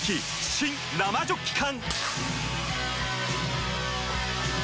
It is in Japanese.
新・生ジョッキ缶！